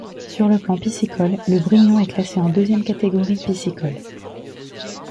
Sur le plan piscicole, le Brignon est classé en deuxième catégorie piscicole.